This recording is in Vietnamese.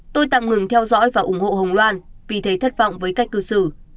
tôi tạm ngừng theo dõi và ủng hộ hồng loan vì thấy thất vọng với cách cư xử